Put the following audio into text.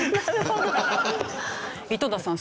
井戸田さん